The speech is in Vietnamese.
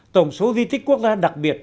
tổng số di tích quốc gia đặc biệt